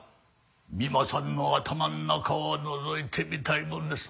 三馬さんの頭の中をのぞいてみたいもんですな。